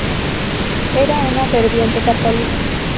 Era una ferviente católica.